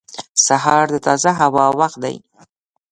• سهار د تازه هوا وخت دی.